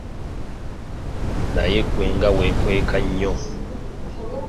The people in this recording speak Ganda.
Naye ggwe nga weekweka nnyo.